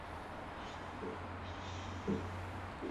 松原交流道是位于大阪府松原市的阪和自动车道之交流道。